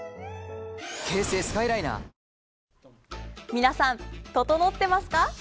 皆さん、ととのってますか？